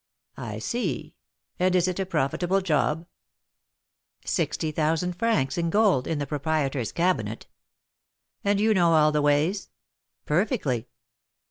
"I see. And is it a profitable job?" "Sixty thousand francs in gold in the proprietor's cabinet." "And you know all the ways?" "Perfectly."